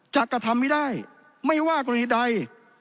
จะกระทำไม่ได้ไม่ว่ากรณีใด